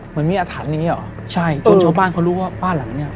เหมือนมีอาถรรพ์อย่างงี้เหรอใช่จนชาวบ้านเขารู้ว่าบ้านหลังเนี้ย